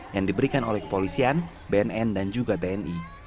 yang diberikan oleh kepolisian bnn dan juga tni